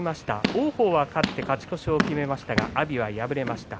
王鵬が勝って、勝ち越しを決めましたが阿炎は敗れました。